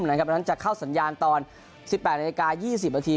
ดังนั้นจะเข้าสัญญาณตอน๑๘นาฬิกา๒๐นาที